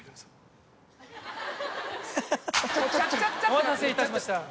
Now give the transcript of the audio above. お待たせいたしました。